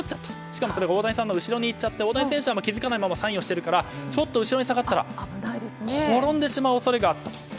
しかもそれが大谷さんの後ろに行っちゃって気づかないままサインをしているから後ろに下がったら転んでしまう恐れがあったと。